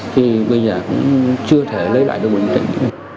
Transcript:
thì bây giờ cũng chưa thể lấy lại được bình tĩnh